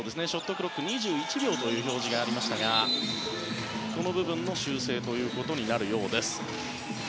クロック２１秒という表示がありましたがこの部分の修正となるようです。